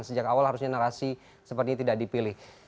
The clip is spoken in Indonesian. sejak awal harusnya narasi seperti ini tidak dipilih